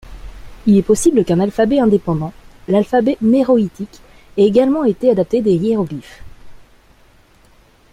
Il est possible qu'un alphabet indépendant, l'alphabet méroïtique, ait également été adapté des hiéroglyphes.